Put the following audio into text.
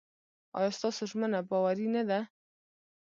ایا ستاسو ژمنه باوري نه ده؟